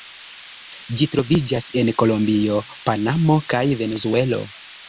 Ĝi troviĝas en Kolombio, Panamo kaj Venezuelo.